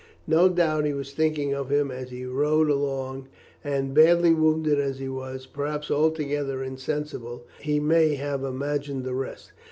No doubt he was thinking of him as he rode along; and, badly wounded as he was, perhaps altogether insensible, he may have imagined the rest."